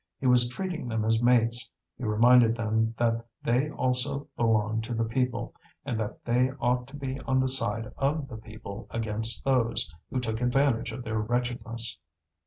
He was treating them as mates; he reminded them that they also belonged to the people, and that they ought to be on the side of the people against those who took advantage of their wretchedness.